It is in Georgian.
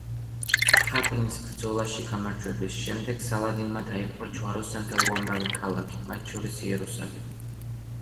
ჰატინის ბრძოლაში გამარჯვების შემდეგ, სალადინმა დაიპყრო ჯვაროსანთა უამრავი ქალაქი, მათ შორის იერუსალიმი.